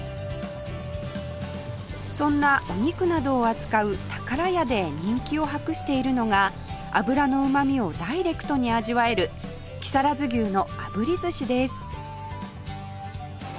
そんなお肉などを扱う宝家で人気を博しているのが脂のうまみをダイレクトに味わえる木更津牛のあぶり寿司です